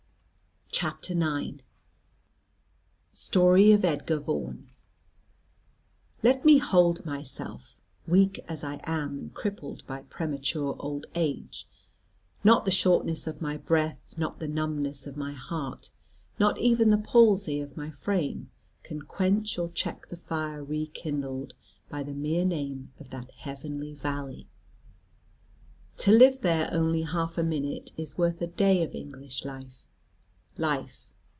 CHAPTER IX. STORY OF EDGAR VAUGHAN. Let me hold myself. Weak as I am and crippled by premature old age, not the shortness of my breath, not the numbness of my heart, not even the palsy of my frame, can quench or check the fire rekindled by the mere name of that heavenly valley. To live there only half a minute is worth a day of English life.